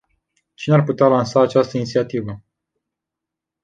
Cine ar putea lansa această inițiativă?